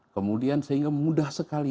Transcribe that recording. kemudian sehingga mudah sekali